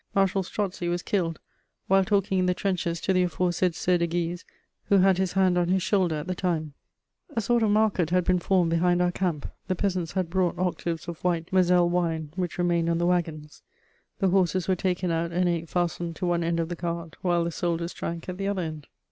Marshal Strozzi was killed, "while talking in the trenches to the aforesaid Sieur de Guise, who had his hand on his shoulder at the time." * [Sidenote: Market in camp.] A sort of market had been formed behind our camp. The peasants had brought octaves of white Moselle wine, which remained on the wagons: the horses were taken out and ate fastened to one end of the cart, while the soldiers drank at the other end.